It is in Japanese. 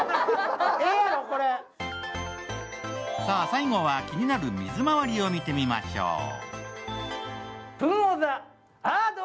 さぁ、最後は気になる水まわりを見てみましょう。